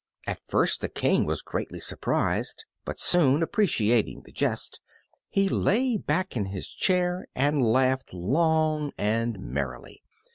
At first the good King was greatly surprised; but soon, appreciating the jest, he lay back in his chair and laughed long and merrily.